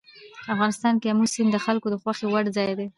افغانستان کې آمو سیند د خلکو د خوښې وړ ځای دی.